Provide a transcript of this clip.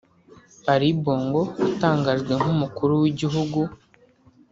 Ali Bongo watangajwe nk’Umukuru w’Igihugu